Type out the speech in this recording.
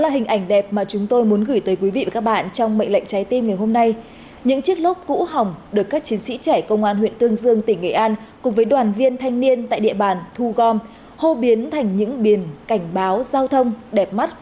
hãy đăng ký kênh để ủng hộ kênh của chúng mình nhé